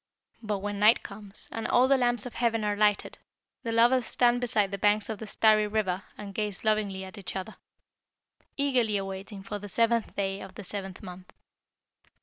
But when night comes, and all the lamps of heaven are lighted, the lovers stand beside the banks of the starry river and gaze lovingly at each other, eagerly awaiting the seventh day of the seventh month.